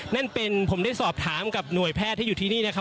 นั่นเป็นผมได้สอบถามกับหน่วยแพทย์ที่อยู่ที่นี่นะครับ